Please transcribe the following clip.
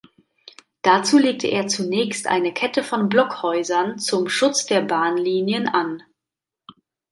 Dazu legte er zunächst eine Kette von Blockhäusern zum Schutz der Bahnlinien an.